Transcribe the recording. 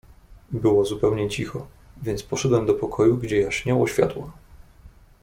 "Było zupełnie cicho, więc poszedłem do pokoju, gdzie jaśniało światło."